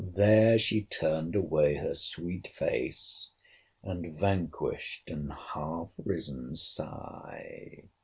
There she turned away her sweet face, and vanquished an half risen sigh.